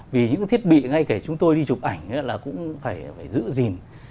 vì những thiết bị ngay kể chúng tôi đi chụp ảnh là cũng phải giữ gìn